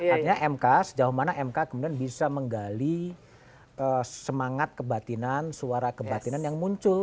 artinya mk sejauh mana mk kemudian bisa menggali semangat kebatinan suara kebatinan yang muncul